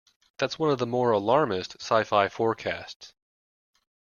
That's one of the more alarmist sci-fi forecasts.